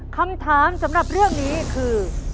คำถามสำหรับเรื่องนี้คือ